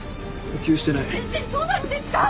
先生どうなるんですか！？